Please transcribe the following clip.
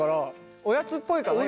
おやつっぽいかなより。